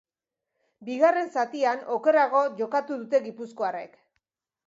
Bigarren zatian okerrago jokatu dute gipuzkoarrek.